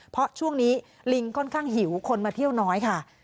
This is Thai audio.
เพราะช่วงนี้ลิงค่อนข้างหิวคนมาเที่ยวน้อยค่ะ